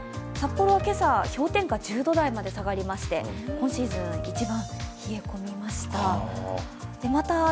札幌は今朝、氷点下１０度台まで下がりまして今シーズン一番冷え込みました。